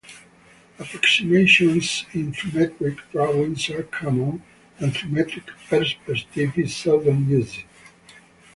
Approximations in trimetric drawings are common, and trimetric perspective is seldom used.